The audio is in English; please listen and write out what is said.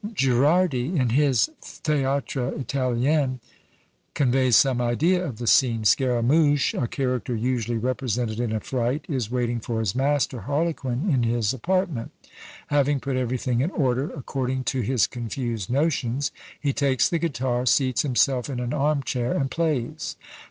Gherardi in his "ThÃ©Ãḃtre Italien," conveys some idea of the scene. Scaramouch, a character usually represented in a fright, is waiting for his master Harlequin in his apartment; having put everything in order, according to his confused notions, he takes the guitar, seats himself in an arm chair, and plays.